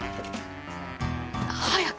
早く！